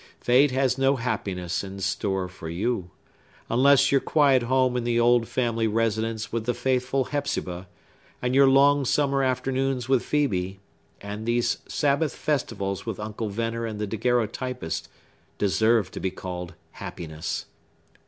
Fate has no happiness in store for you; unless your quiet home in the old family residence with the faithful Hepzibah, and your long summer afternoons with Phœbe, and these Sabbath festivals with Uncle Venner and the daguerreotypist, deserve to be called happiness!